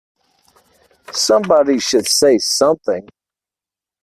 Somebody should say something